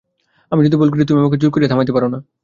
আমি যদি ভুল করি, তুমি আমাকে জোর করিয়া থামাইতে পার না?